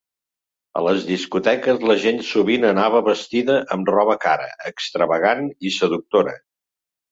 A les discoteques la gent sovint anava vestida amb roba cara, extravagant i seductora.